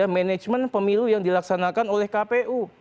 manajemen pemilu yang dilaksanakan oleh kpu